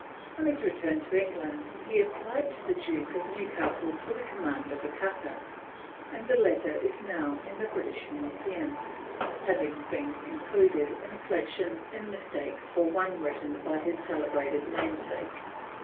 On his return to England he applied to the Duke of Newcastle for the command of a cutter, and the letter is now in the British Museum, having been included in a collection in mistake for one written by his celebrated namesake.